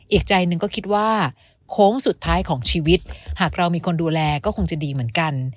อีกใจหนึ่งก็คิดว่าโค้งสุดท้ายของชีวิตหากเรามีคนดูแลก็คงจะดีเหมือนกัน